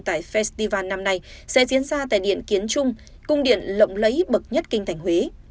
tại festival năm nay sẽ diễn ra tại điện kiến trung cung điện lộng lấy bậc nhất kinh thành huế